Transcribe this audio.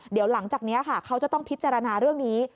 เดี๋ยวหลังจากนี้ค่ะเขาจะต้องพิจารณาเรื่องนี้